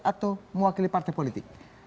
atau mewakili partai politik